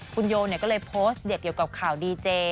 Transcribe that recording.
คุณโยเนี่ยก็เลยโพสต์เดียวกับข่าวดีเจ